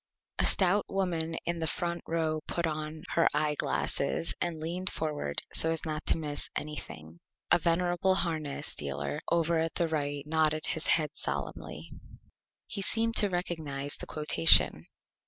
A Stout Woman in the Front Row put on her Eye Glasses and leaned forward so as not to miss Anything. A Venerable Harness Dealer over at the Right nodded his Head solemnly. He seemed to recognize the Quotation.